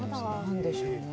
何でしょうね。